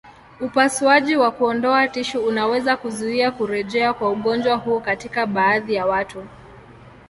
Upasuaji wa kuondoa tishu unaweza kuzuia kurejea kwa ugonjwa huu katika baadhi ya watu.